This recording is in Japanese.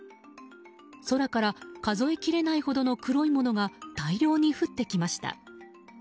空から数えきれないほどの黒いものが大量に降ってきました。